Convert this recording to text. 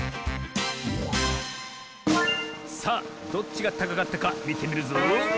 さあどっちがたかかったかみてみるぞ。